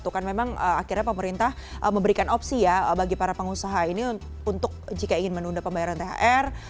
kan memang akhirnya pemerintah memberikan opsi ya bagi para pengusaha ini untuk jika ingin menunda pembayaran thr